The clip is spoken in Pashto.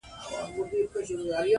وایم بیا به ګوندي راسي!